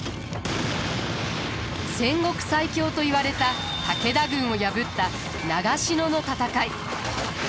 戦国最強といわれた武田軍を破った長篠の戦い。